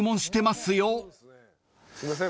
すいません。